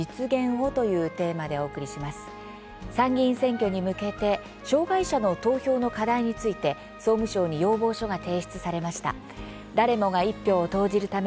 参議院選挙に向けて障害者の投票の課題について総務省に要望書が提出されました。